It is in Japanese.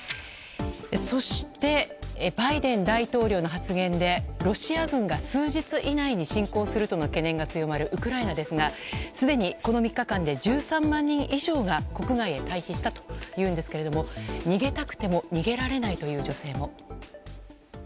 そして、バイデン大統領の発言でロシア軍が数日以内に侵攻するとの懸念が強まるウクライナですがすでに、この３日間で１３万人以上が国外へ退避したというんですけれども逃げたくても逃げられないという女性も。